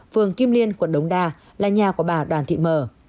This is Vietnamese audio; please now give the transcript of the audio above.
vườn kim liên quận đống đa là nhà của bà đoàn thị mở